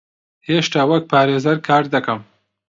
هێشتا وەک پارێزەر کار دەکەم.